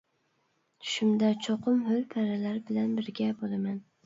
چۈشۈمدە چوقۇم ھۆر-پەرىلەر بىلەن بىرگە بولىمەن.